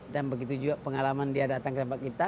dan begitu juga pengalaman dia datang ke tempat kita